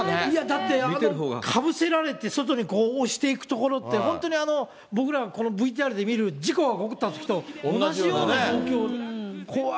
だってあのかぶせられて、外に押していくところって、本当に僕らがこのＶＴＲで見る、事故が起こったときと同じような状況。